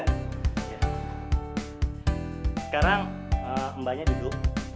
sekarang mbaknya duduk